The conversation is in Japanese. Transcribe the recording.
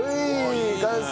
完成！